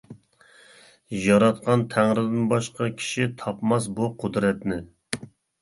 ياراتقان تەڭرىدىن باشقا كىشى تاپماس بۇ قۇدرەتنى.